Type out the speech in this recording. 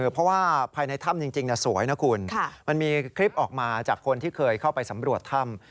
เพราะว่าภายในถ้ำจริงสวยนะคุณมันมีคลิปออกมาจากคนที่เคยเข้าไปสำรวจถ้ำ